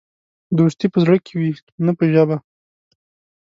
دوستي په زړه کې وي، نه په ژبه.